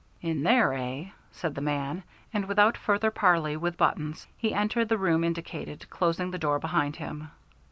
"In there, eh?" said the man, and without further parley with Buttons, he entered the room indicated, closing the door behind him.